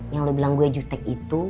yang lo bilang gue juktek itu